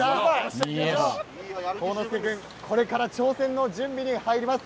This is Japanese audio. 幸之介君これから挑戦の準備に入ります。